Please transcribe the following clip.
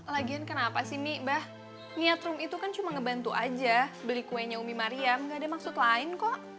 lagian kenapa sih mi mbah niat room itu kan cuma ngebantu aja beli kuenya umi mariam nggak ada maksud lain kok